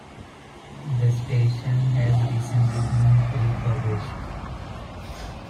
The station has recently been refurbished.